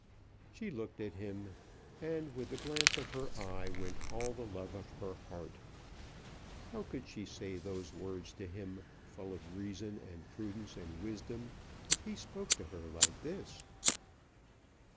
She looked at him, and with the glance of her eye went all the love of her heart. How could she say those words to him, full of reason and prudence and wisdom, if he spoke to her like this?